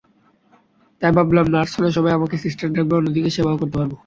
তাই ভাবলাম নার্স হলে সবাই আমাকে সিস্টার ডাকবে, অন্যদিকে সেবাও করতে পারব।